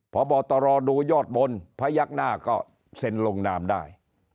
พอบริหารตรอดูยอดบนพยักษณะก็เซ็นลงนามได้